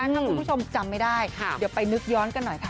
ถ้าคุณผู้ชมจำไม่ได้เดี๋ยวไปนึกย้อนกันหน่อยค่ะ